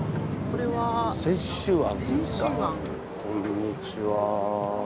こんにちは。